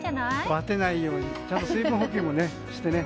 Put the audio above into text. ばてないようにちゃんと水分補給もしてね。